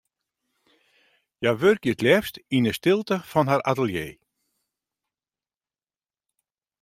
Hja wurke it leafst yn 'e stilte fan har atelier.